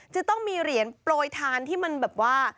จะต้องมีเหรียญโปรยทานที่มันแบบว่า